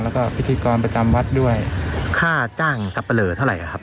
แล้วก็พิธีกรประจำวัดด้วยค่าจ้างสับปะเลอเท่าไหร่ครับ